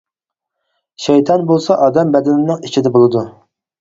شەيتان بولسا، ئادەم بەدىنىنىڭ ئىچىدە بولىدۇ.